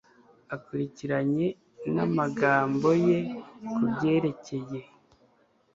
akurikiranye n'amagambo ye ku byerekeye